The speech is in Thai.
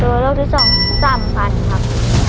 ตัวเลือกที่สองสำพันครับ